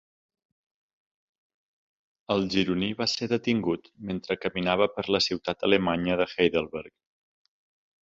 El gironí va ser detingut mentre caminava per la ciutat alemanya de Heidelberg.